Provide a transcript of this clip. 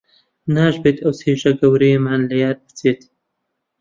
ناشبێت ئەو چێژە گەورەیەمان لە یاد بچێت